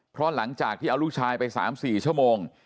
เพราะหลังจากที่เอาลูกชายไป๓๔ชั่วโมง